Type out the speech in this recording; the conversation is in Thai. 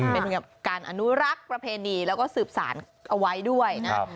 เป็นการอนุรักษ์ประเพณีแล้วก็สืบสารเอาไว้ด้วยนะ